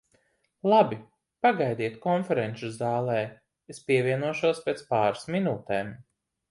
Labi, pagaidiet konferenču zālē, es pievienošos pēc pāris minūtēm.